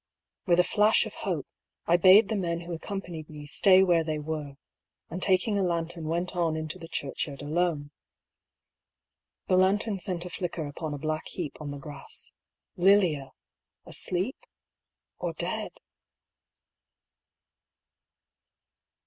*' With a flash of hope, I bade the men who accom panied me stay where they were ; and taking a lantern went on into the churchyard alone. The lantern sent a flicker upon a black heap on the grass : Lilia, asleep— K>r dead